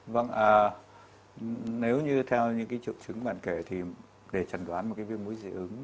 vâng nếu như theo những triệu chứng bạn kể thì để chẳng đoán một viêm mũi dị ứng